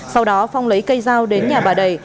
sau đó phong lấy cây dao đến nhà bà đầy